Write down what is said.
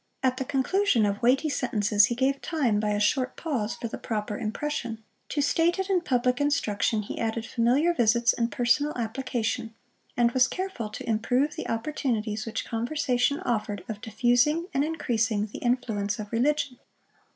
At the conclusion of weighty sentences he gave time, by a short pause, for the proper impression. To stated and public instruction, he added familiar visits and Personal application, and was careful to improve the opportunities which conversation offered of diffusing and increasing the influence of religion.